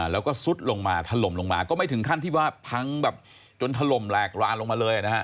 แล้วก็ซุดลงมาถล่มลงมาก็ไม่ถึงขั้นที่ว่าพังแบบจนถล่มแหลกรานลงมาเลยนะฮะ